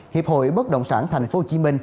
hiệp hội bất động sản tp hcm